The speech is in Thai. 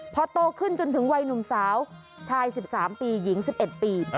พอโตขึ้นจนถึงวัยหนุ่มสาวชาย๑๓ปีหญิง๑๑ปี